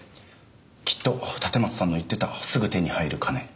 きっと立松さんの言ってたすぐ手に入る金。